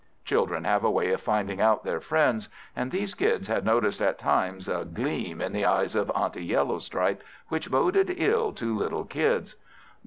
Children have a way of finding out their friends; and these Kids had noticed at times a gleam in the eyes of Auntie Yellowstripe, which boded ill to little Kids.